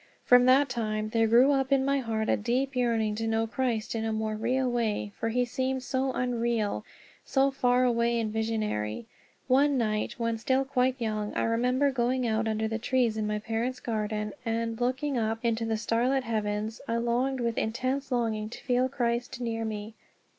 From that time there grew up in my heart a deep yearning to know Christ in a more real way, for he seemed so unreal, so far away and visionary. One night when still quite young I remember going out under the trees in my parents' garden and, looking up into the starlit heavens, I longed with intense longing to feel Christ near me.